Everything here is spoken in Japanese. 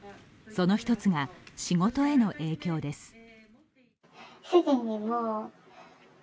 その一つが、仕事への影響です。